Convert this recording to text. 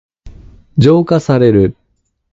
浄化される。